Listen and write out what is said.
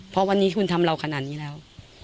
เพราะวันนี้คุณทำเราขนาดนี้แล้ว